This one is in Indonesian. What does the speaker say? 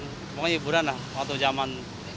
pokoknya hiburan lah waktu zaman